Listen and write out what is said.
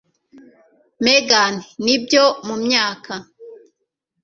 Megan n ibyo mumyaka.